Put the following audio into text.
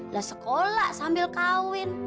lah sekolah sambil kawin